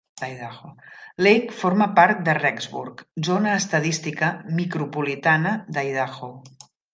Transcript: Lake forma part de Rexburg, zona estadística micropolitana d'Idaho.